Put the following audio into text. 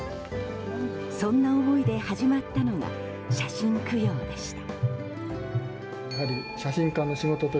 そんな思いで始まったのが写真供養でした。